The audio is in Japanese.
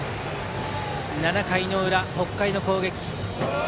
７回の裏、北海の攻撃。